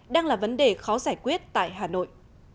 đang là vấn đề khó giải quyết tại hà nội